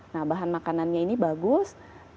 nah bahan makanannya ini bagus